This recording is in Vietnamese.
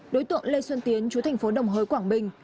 đối tượng lê xuân tiến chú thành phố đồng hới quảng bình